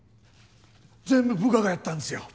全部部下がやったんですよ。